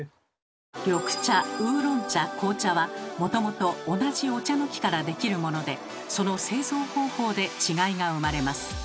緑茶・ウーロン茶・紅茶はもともと同じお茶の木からできるものでその製造方法で違いが生まれます。